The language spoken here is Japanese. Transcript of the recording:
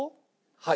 はい。